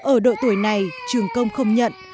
ở độ tuổi này trường công không nhận